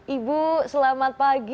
ibu selamat pagi